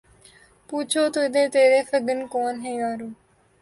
پوچھو تو ادھر تیر فگن کون ہے یارو